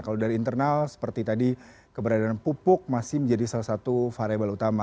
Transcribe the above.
kalau dari internal seperti tadi keberadaan pupuk masih menjadi salah satu variable utama